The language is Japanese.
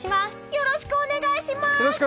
よろしくお願いします！